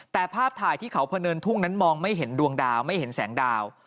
แต่ภาพถ่ายที่เขาพะเนินทุ่งนั้นมองไม่เห็นดวงดาวไม่เห็นแสงดาว